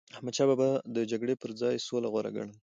احمدشاه بابا به د جګړی پر ځای سوله غوره ګڼله.